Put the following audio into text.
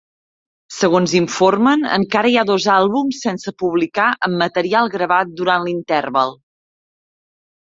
Segons informen, encara hi ha dos àlbums sense publicar amb material gravat durant l'interval.